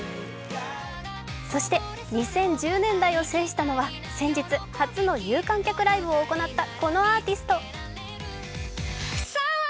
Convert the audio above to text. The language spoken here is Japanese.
そして２０１０年代を制したのは先日、初の有観客ライブを行ったこのアーティスト。